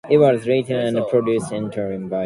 He is a miser, and as such is quite a jealous man.